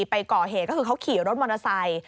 ไปก่อเหตุก็คือเขาขี่รถมอเตอร์ไซค์